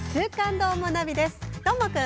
どーもくん！